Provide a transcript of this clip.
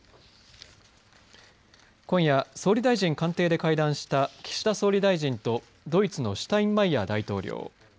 今夜、総理大臣官邸で会談した岸田総理大臣とドイツのシュタインマイヤー大統領。